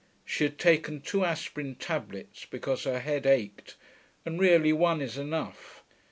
She had taken two aspirin tablets because her head ached, and really one is enough.